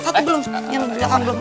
satu belum yang belum